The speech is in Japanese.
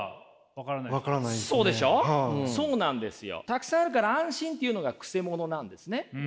たくさんあるから安心っていうのがくせ者なんですね。